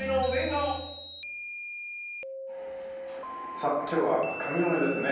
さあ今日は上野毛ですね。